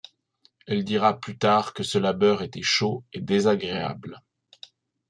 Elle dira plus tard que ce labeur était chaud et désagréable.